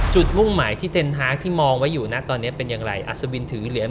มุ่งหมายที่เต็นฮาร์กที่มองไว้อยู่นะตอนนี้เป็นอย่างไรอัศวินถือเหรียญ